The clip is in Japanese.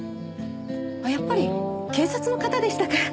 あっやっぱり警察の方でしたか。